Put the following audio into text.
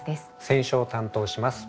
選書を担当します